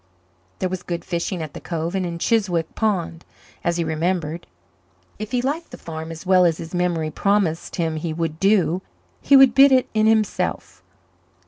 There was good fishing at the Cove and in Chiswick pond, as he remembered. If he liked the farm as well as his memory promised him he would do, he would bid it in himself.